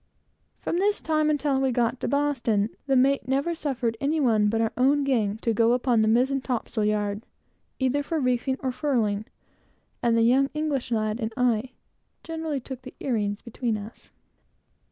From this time until we got to Boston, the mate never suffered any one but our own gang to go upon the mizen topsail yard, either for reefing or furling, and the young English lad and myself generally took the earings between us.